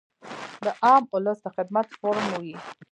د عام اولس د خدمت فورم وي -